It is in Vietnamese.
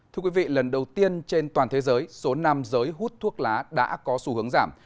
thưa quý vị lần đầu tiên trên toàn thế giới số năm giới hút thuốc lá đã có xu hướng giảm